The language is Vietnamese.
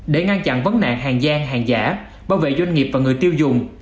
để ngăn chặn vấn nạn hàng giang hàng giả bảo vệ doanh nghiệp và người tiêu dùng